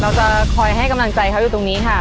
เราจะคอยให้กำลังใจเขาอยู่ตรงนี้ค่ะ